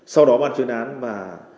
sau đó ban chuyên án và